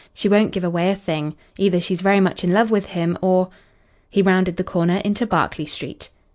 "She won't give away a thing. Either she's very much in love with him, or " He rounded the corner into Berkeley Street.